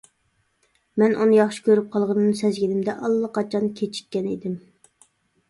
مەن ئۇنى ياخشى كۆرۈپ قالغىنىمنى سەزگىنىمدە ئاللىقاچان كېچىككەن ئىدىم.